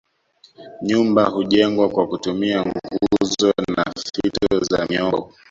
Nyumba hujengwa kwa kutumia nguzo na fito za miombo